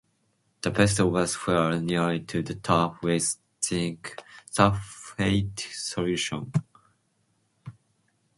The vessel was filled, nearly to the top, with zinc sulfate solution.